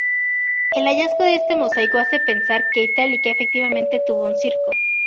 El hallazgo de este mosaico hace pensar que Itálica efectivamente tuvo un circo.